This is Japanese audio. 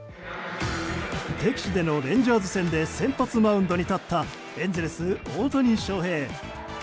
敵地でのレンジャーズ戦で先発マウンドに立ったエンゼルス、大谷翔平。